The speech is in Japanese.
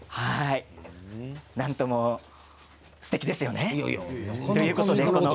なんともすてきですよね。